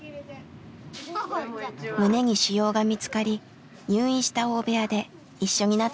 胸に腫瘍が見つかり入院した大部屋で一緒になったのです。